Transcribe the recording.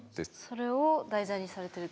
それを題材にされてるって。